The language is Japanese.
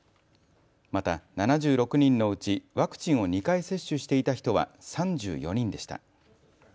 また、７６人のうちワクチンを２回接種していた人は３４人でした。